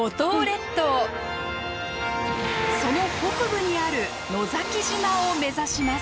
その北部にある野崎島を目指します。